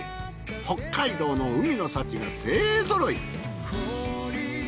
北海道の海の幸が勢ぞろい